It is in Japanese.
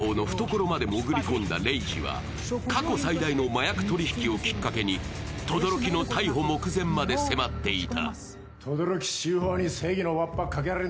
轟周宝の懐まで潜り込んだ玲二は過去最大の麻薬取引をきっかけに轟の逮捕目前にまで迫っていた。